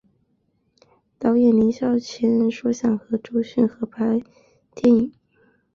导演林孝谦说想和周迅合作拍电影。